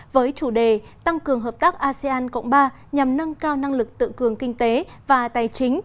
với chủ đề tăng cường hợp tác asean cộng ba nhằm nâng cao năng lực tự cường kinh tế và tài chính